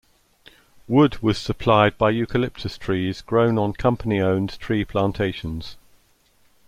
Wood was supplied by eucalyptus trees grown on company-owned tree plantations.